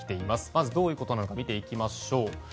まず、どういうことなのか見ていきましょう。